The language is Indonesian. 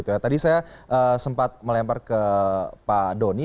tadi saya sempat melempar ke pak doni